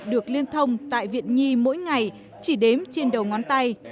được liên thông tại viện nhi mỗi ngày chỉ đếm trên đầu ngón tay